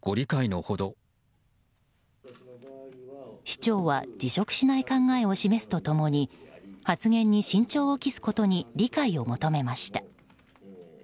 市長は辞職しない考えを示すと共に発言に慎重を期すことに理解を求めました。